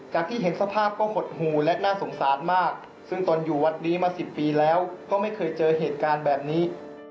ที่เห็นสภาพก็หดหูและน่าสงสารมากซึ่งตนอยู่วัดนี้มา๑๐ปีแล้วก็ไม่เคยเจอเหตุการณ์แบบนี้